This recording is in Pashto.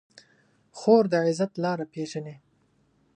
خور د عزت لاره پېژني.